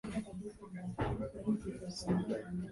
Rais katika kampeni zake aliahidi kutuletea boti na vifaa vya uvuvi